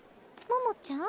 桃ちゃん